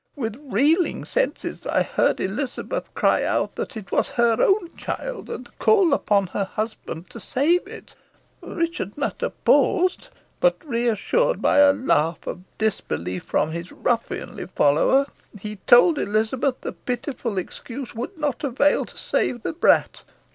With reeling senses I heard Elizabeth cry out that it was her own child, and call upon her husband to save it. Richard Nutter paused, but re assured by a laugh of disbelief from his ruffianly follower, he told Elizabeth the pitiful excuse would not avail to save the brat.